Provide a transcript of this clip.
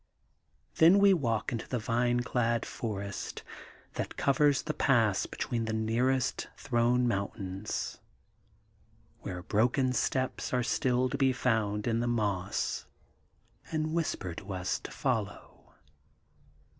' Then we walk into the vine clad forest that covers the pass between the nearest throne mountains, where broken steps are still to be found in the moss, and whisper to us to follow.